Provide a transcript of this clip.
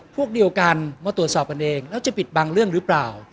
พวกเดียวกันมาตรวจสอบกันเองแล้วจะปิดบางเรื่องหรือเปล่า